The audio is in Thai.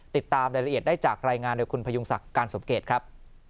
ติดตามรายละเอียดได้จากรายงานโดยคุณพยุงศักดิ์การสมเกตครับ